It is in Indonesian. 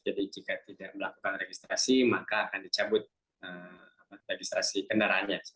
jadi jika tidak melakukan registrasi maka akan dicabut registrasi kendaraannya